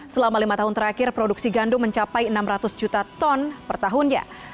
selama lima tahun terakhir produksi gandum mencapai enam ratus juta ton per tahunnya